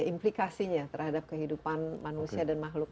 implikasinya terhadap kehidupan manusia dan makhluk